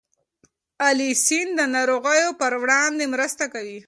الیسین د ناروغیو پر وړاندې مرسته کوي.